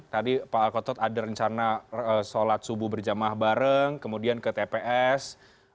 tadi pak alkotot ada rencana sholat subuh berjamaah bareng kemudian ke tps